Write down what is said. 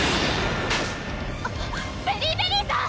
ベリィベリーさん！